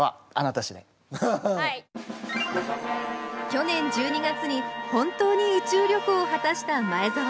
去年１２月に本当に宇宙旅行を果たした前澤さん。